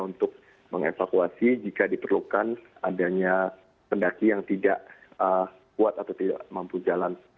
untuk mengevakuasi jika diperlukan adanya pendaki yang tidak kuat atau tidak mampu jalan